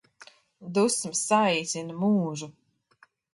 Dusmas saīsina mūžu